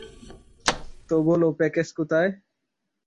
তো বলো প্যাকেজ কোথায়?